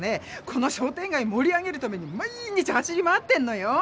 この商店がいもり上げるために毎日走り回ってんのよ！